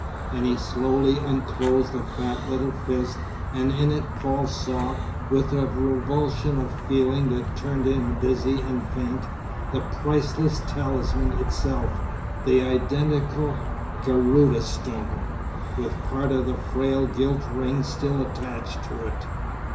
And he slowly unclosed a fat little fist, and in it Paul saw, with a revulsion of feeling that turned him dizzy and faint, the priceless talisman itself, the identical Garudâ Stone, with part of the frail gilt ring still attached to it.